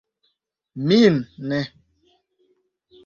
Min ne.